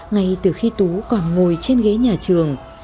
ngay từ khi tú còn ngồi trên ghế nhà trường